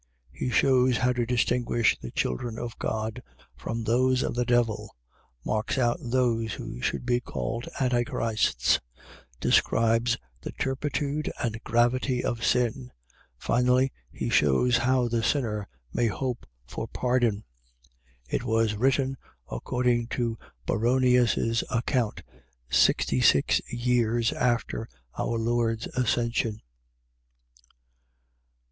He shews how to distinguish the children of God from those of the devil: marks out those who should be called Antichrists: describes the turpitude and gravity of sin. Finally, he shews how the sinner may hope for pardon. It was written, according to Baronius' account, sixty six years after our Lord's Ascension.